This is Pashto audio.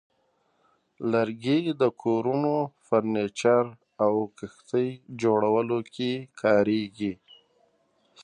لرګي د کورونو، فرنیچر، او کښتۍ جوړولو کې کارېږي.